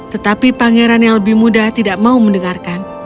tetapi pangeran yang lebih muda tidak mau mendengarkan